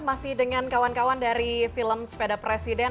masih dengan kawan kawan dari film sepeda presiden